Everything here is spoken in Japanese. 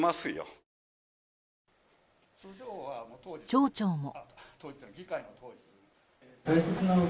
町長も。